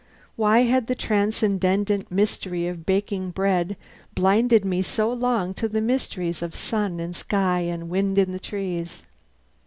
Why had the transcendent mystery of baking bread blinded me so long to the mysteries of sun and sky and wind in the trees?